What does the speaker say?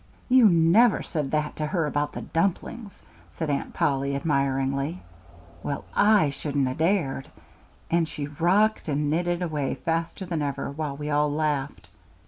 "You never said that to her about the dumplings?" said Aunt Polly, admiringly. "Well, I shouldn't ha' dared;" and she rocked and knitted away faster than ever, while we all laughed.